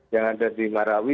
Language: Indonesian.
yang ada di marawi